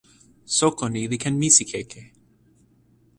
soko ni li ken misikeke!